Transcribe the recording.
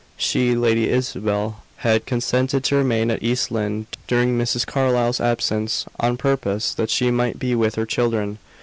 She, Lady Isabel, had consented to remain at East Lynne during Mrs. Carlyle's absence, on purpose that she might be with her children.